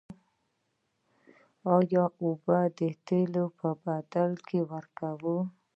آیا اوبه د تیلو په بدل کې ورکوو؟